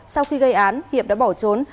sau khi gây án hiệp đã bỏ trốn